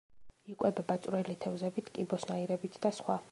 იკვებება წვრილი თევზებით, კიბოსნაირებით და სხვა.